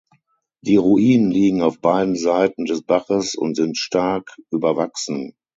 Die Ruinen liegen auf beiden Seiten des Baches und sind stark überwachsen.